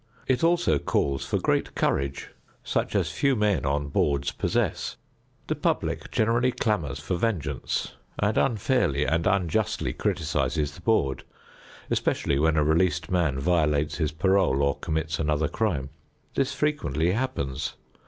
It also calls for great courage such as few men on boards possess. The public generally clamors for vengeance and unfairly and unjustly criticises the board, especially when a released man violates his parole or commits another crime. This frequently happens.